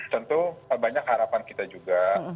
tentu banyak harapan kita juga